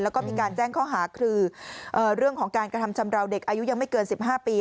แล้วก็มีการแจ้งข้อหาคือเรื่องของการกระทำชำราวเด็กอายุยังไม่เกิน๑๕ปี